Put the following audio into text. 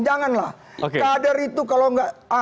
janganlah kader itu kalau enggak